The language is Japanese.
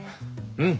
うん。